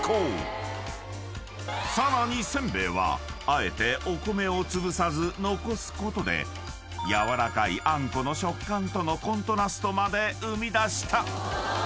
［さらにせんべいはあえてお米をつぶさず残すことで軟らかいあんこの食感とのコントラストまで生み出した］